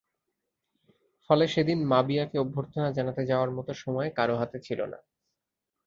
ফলে সেদিন মাবিয়াকে অভ্যর্থনা জানাতে যাওয়ার মতো সময় কারও হাতে ছিল না।